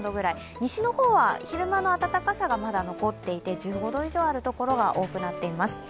西の方は昼間の暖かさがまだ残っていて１５度以上ある所が多くあります。